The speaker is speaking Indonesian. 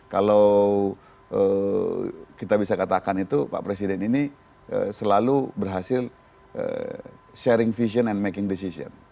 kalau kita bisa katakan itu pak presiden ini selalu berhasil sharing vision and making decision